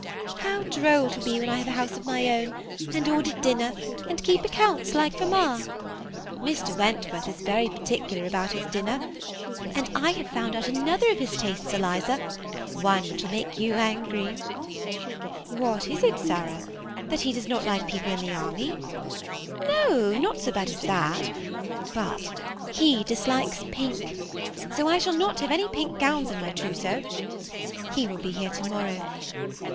^ How droll it will be when I have a house of my own, and order dinner, and keep accounts, like mamma ! Mr. Wentworth is vfiry particular about his dinner; THE SEMI ATTACHED COUPLE. 239 and I have found out another of his tastes, Eliza, one which will make you angry/' ^< What is it, Sarah?— that he does not like people in the army ?.^ No, not so bad as that ; but he dislikes pink ; so I shall not have any pink gowns in my trousseau. He will be here to morrow.